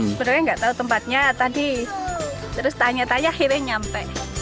sebenarnya nggak tahu tempatnya tadi terus tanya tanya akhirnya nyampe